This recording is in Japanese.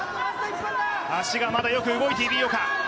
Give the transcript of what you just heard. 足がまだよく動いている井岡。